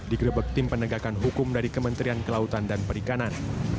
digrebek tim penegakan hukum dari kementerian kelautan dan perikanan